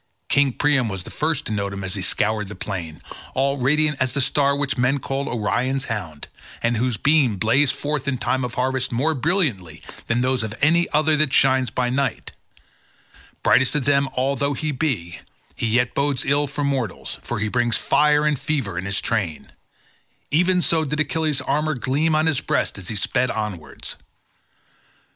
King Priam was first to note him as he scoured the plain, all radiant as the star which men call Orion's Hound, and whose beams blaze forth in time of harvest more brilliantly than those of any other that shines by night; brightest of them all though he be, he yet bodes ill for mortals, for he brings fire and fever in his train—even so did Achilles' armour gleam on his breast as he sped onwards.